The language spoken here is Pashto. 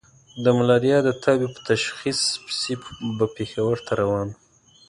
د ملاريا د تبې په تشخيص پسې به پېښور ته روان وو.